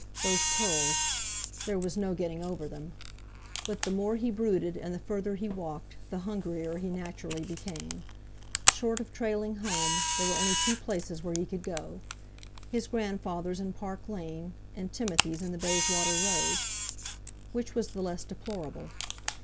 Those pearls! There was no getting over them! But the more he brooded and the further he walked the hungrier he naturally became. Short of trailing home, there were only two places where he could go—his grandfather's in Park Lane, and Timothy's in the Bayswater Road. Which was the less deplorable?